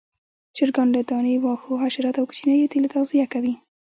چرګان له دانې، واښو، حشراتو او کوچنيو تیلو تغذیه کوي.